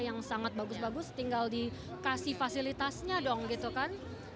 yang sangat bagus bagus tinggal dikasih fasilitasnya dong gitu kan